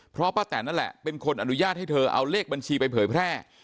เพราะป้าแตนนั่นแหละเป็นคนอนุญาตให้เธอเอาเลขบัญชีไปเผยแพร่